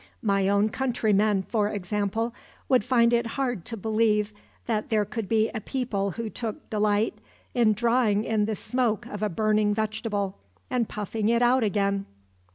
My own countrymen, for example, would find it hard to believe that there could be a people who took delight in drawing in the smoke of a burning vegetable, and puffing it out again."